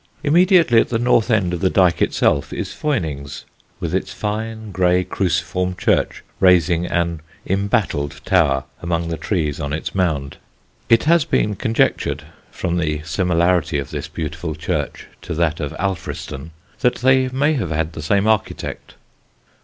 Immediately at the north end of the Dyke itself is Poynings, with its fine grey cruciform church raising an embattled tower among the trees on its mound. It has been conjectured from the similarity of this beautiful church to that of Alfriston that they may have had the same architect.